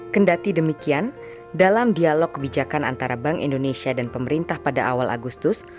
kendati demikian dalam dialog kebijakan antara bank indonesia dan pemerintah pada awal agustus